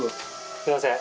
すみません。